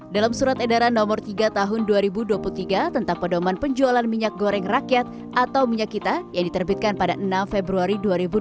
dalam surat edaran nomor tiga tahun dua ribu dua puluh tiga tentang pedoman penjualan minyak goreng rakyat atau minyak kita yang diterbitkan pada enam februari dua ribu dua puluh